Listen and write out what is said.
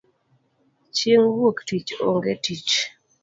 Chieng wuok tich onge tich